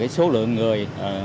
số lượng người